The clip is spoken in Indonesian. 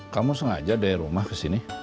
kamu sengaja dari rumah kesini